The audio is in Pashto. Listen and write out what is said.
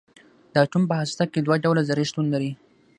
د اټوم په هسته کې دوه ډوله ذرې شتون لري.